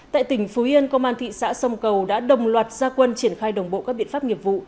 tại tỉnh phú yên công an thị xã sông cầu đã đồng loạt gia quân triển khai đồng bộ các biện pháp nghiệp vụ